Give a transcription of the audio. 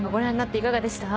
いかがでした？